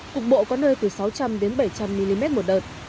cục bộ có nơi từ sáu trăm linh đến bảy trăm linh mm một đợt